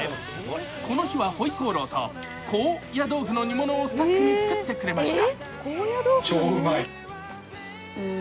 この日はホイコーローと高野豆腐の煮物をスタッフに作ってくれました。